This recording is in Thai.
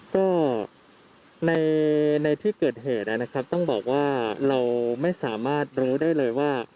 ก็ในที่เกิดเหตุนะครับต้องบอกว่าเราไม่สามารถรู้ได้เลยว่า